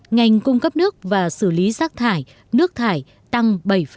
ngành cung cấp nước và xử lý rác thải nước thải tăng bảy tám